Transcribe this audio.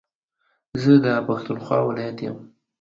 زه دا پښتونخوا ولايت يم